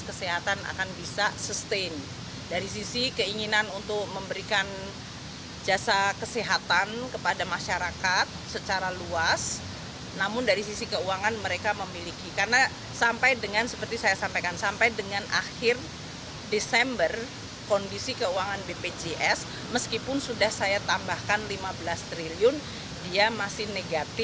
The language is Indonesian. meskipun sudah saya tambahkan rp lima belas triliun dia masih negatif hampir sekitar rp tiga belas triliun